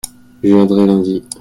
je viendrai lundi.